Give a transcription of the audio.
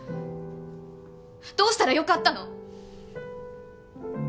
どうしたら良かったの？